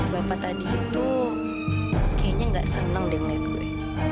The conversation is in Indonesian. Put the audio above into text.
bapak tadi itu kayaknya gak seneng deh ngeliat gue